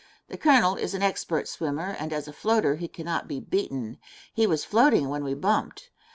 The Colonel is an expert swimmer and as a floater he cannot be beaten. He was floating when we bumped.